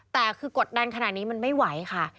แต่คือกดดันขนาดนี้มันไม่ไหวค่ะ